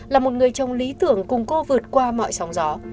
là một người trong lý tưởng cùng cô vượt qua mọi sóng gió